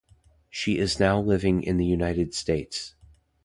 She is now living in the United States.